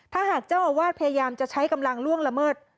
ถ้าหากเจ้าอาวาสพยายามจะใช้กำลังล่วงละเมิด